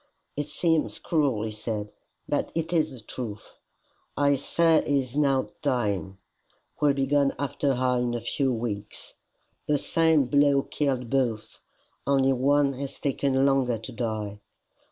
"It seems cruel," he said, "but it is the truth. I say he is now dying will be gone after her in a few weeks. The same blow killed both, only one has taken longer to die.